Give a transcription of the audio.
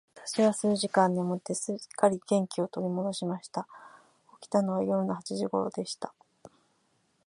私は数時間眠って、すっかり元気を取り戻しました。起きたのは夜の八時頃でした。